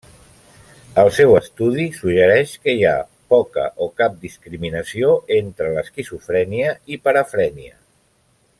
El seu estudi suggereix que hi ha poca o cap discriminació entre l'esquizofrènia i parafrènia.